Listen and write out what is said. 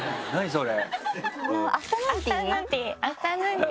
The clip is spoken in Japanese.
それ。